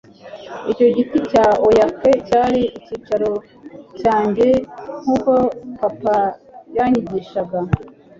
Icyo giti cya Oak cyari icyicaro cyanjye nkuko papa yanyigishaga